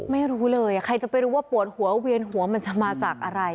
ไม่รู้เลยใครจะไปรู้ว่าปวดหัวเวียนหัวมันจะมาจากอะไร